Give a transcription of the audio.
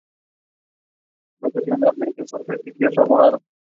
Se desvela allí, en pleno Renacimiento, la convulsión que esto trae aparejado.